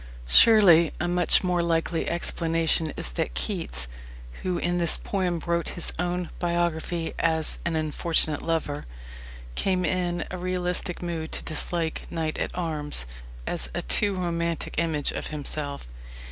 Surely a much more likely explanation is that Keats, who in this poem wrote his own biography as an unfortunate lover, came in a realistic mood to dislike "knight at arms" as a too romantic image of himself.